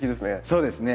そうですね。